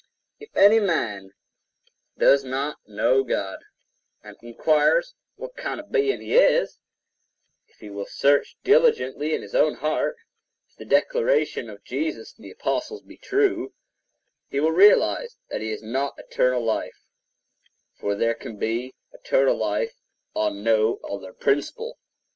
If any man does not know God, and inquires what kind of a being he is,—if he will search diligently his own heart—if the declaration of Jesus and the apostles be true, he will realize that he has not eternal life; for there can be eternal life on no other principle.